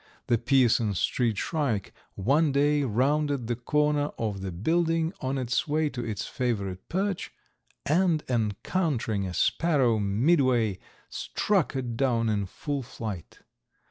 The Pearson street shrike one day rounded the corner of the building on its way to its favorite perch, and encountering a sparrow midway struck it down in full flight.